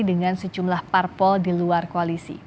dengan sejumlah parpol di luar koalisi